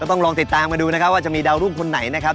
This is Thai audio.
ต้องลองติดตามกันดูนะครับว่าจะมีดาวรุ่งคนไหนนะครับ